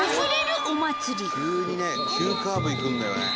急にね急カーブいくんだよね。